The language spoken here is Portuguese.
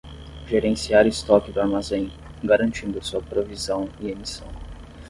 Gerenciar estoque do armazém, garantindo sua provisão e emissão.